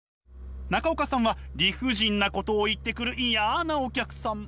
中岡さんは理不尽なことを言ってくる嫌なお客さん。